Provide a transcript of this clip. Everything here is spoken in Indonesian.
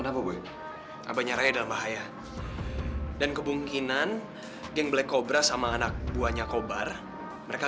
apa boy abahnya raya dalam bahaya dan kemungkinan geng black cobra sama anak buahnya cobar mereka